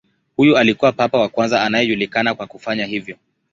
Huyu alikuwa papa wa kwanza anayejulikana kwa kufanya hivyo.